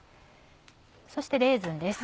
そしてレーズンです。